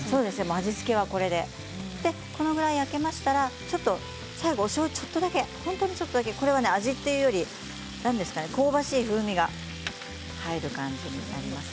味付けはこれで、これぐらい焼けましたら最後おしょうゆをちょっとだけ味というより香ばしい風味が入る感じになります。